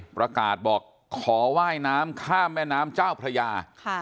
ประกาศบอกขอว่ายน้ำข้ามแม่น้ำเจ้าพระยา